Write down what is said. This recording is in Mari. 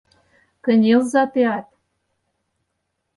Кынелза теат.